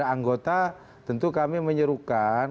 anggota tentu kami menyuruhkan